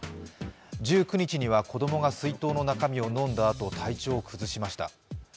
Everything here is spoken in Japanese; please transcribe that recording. １９日には子供が水筒の中身を飲んだあと、体調を崩しました。